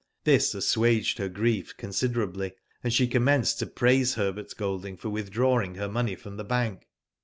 This assuaged her grief considerably, and she commenced to praise Herbert Golding for with drawing her money from the bank.